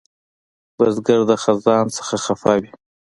بزګر د خزان نه خفه وي